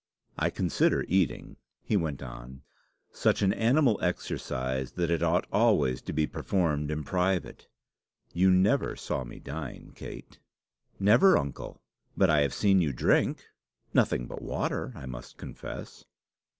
"I consider eating," he went on, "such an animal exercise that it ought always to be performed in private. You never saw me dine, Kate." "Never, uncle; but I have seen you drink; nothing but water, I must confess."